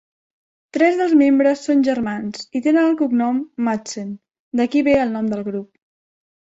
Tres dels membres són germans i tenen el cognom Madsen, d'aquí ve el nom del grup.